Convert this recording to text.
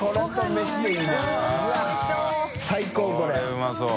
海うまそう。